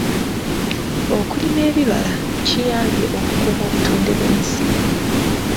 Okulima ebibala kiyambye okukuuma obutonde bw'ensi.